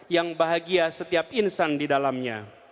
yang bahagia setiap insan di dalamnya